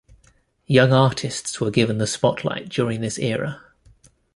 Young artists were given the spotlight during this era.